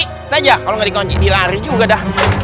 kita aja kalau tidak dikunci dilari juga dah